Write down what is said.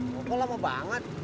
pokoknya lama banget